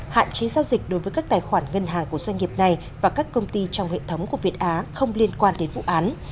hạn chế giao dịch đối với các tài khoản ngân hàng của doanh nghiệp này và các công ty trong hệ thống của việt á không liên quan đến vụ án